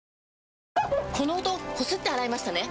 この音こすって洗いましたね？